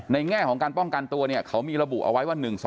แง่ของการป้องกันตัวเนี่ยเขามีระบุเอาไว้ว่า๑๒